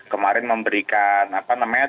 kemarin memberikan apa namanya